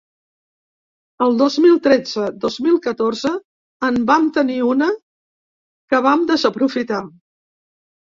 El dos mil tretze-dos mil catorze en vam tenir una, que vam desaprofitar.